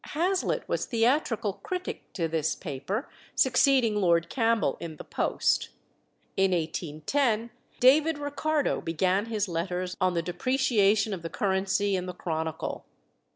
Hazlitt was theatrical critic to this paper, succeeding Lord Campbell in the post. In 1810 David Ricardo began his letters on the depreciation of the currency in the Chronicle.